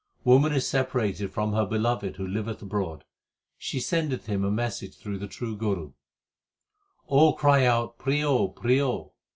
Woman is separated from her Beloved who liveth abroad : she sendeth Him a message through the true Guru. 376 THE SIKH RELIGION All cry out Prio, prio